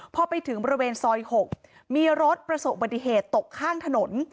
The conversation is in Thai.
พอไปถึงบริเวณซอย๖มีรถประสบปฏิเหตุตกข้างถนน